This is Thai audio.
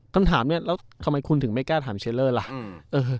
คำถามเนี่ยแล้วทำไมคุณถึงไม่กล้าถามเชลเลอร์ล่ะ